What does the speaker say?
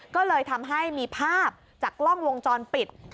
ก็เลยทำให้มีภาพจากกล้องวงจรปิด